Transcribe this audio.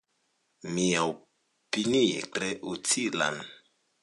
Miaopinie tre utilan.